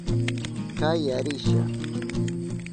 Kaya risha.